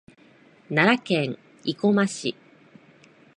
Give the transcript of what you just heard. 奈良県生駒市